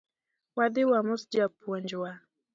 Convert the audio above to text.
Wadhi wamos japuonj wa